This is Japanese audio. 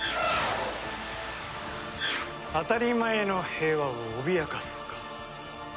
当たり前の平和を脅かすか。